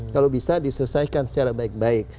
kalau bisa diselesaikan secara baik baik